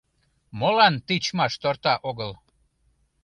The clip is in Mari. Молан тичмаш торта огыл?